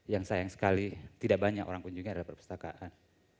yang sayang sekali tidak banyak orang kunjungi adalah perpustakaan